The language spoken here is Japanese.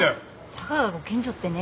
たかがご近所ってね